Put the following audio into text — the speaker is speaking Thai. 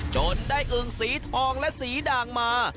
จนได้อึ่งสีทองและสีด่างมา